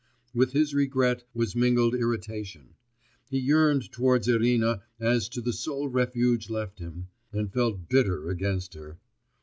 with his regret was mingled irritation; he yearned towards Irina as to the sole refuge left him, and felt bitter against her.